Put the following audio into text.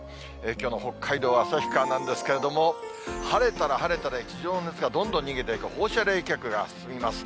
きょうの北海道は旭川なんですけれども、晴れたら晴れたで、地上の熱がどんどん逃げていく放射冷却が進みます。